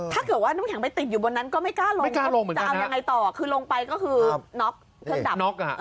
ถ้าถึงติดขึ้นในนั้นก็ไม่กล้าลงจะเอายังไงต่อคือลงไปก็คือน๊อก